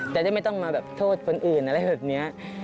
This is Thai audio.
แต่จะไม่ต้องมาโทษคนอื่นอะไรแบบนี้